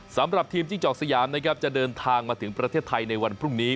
สำหรับทีมจิ้งจอกสยามนะครับจะเดินทางมาถึงประเทศไทยในวันพรุ่งนี้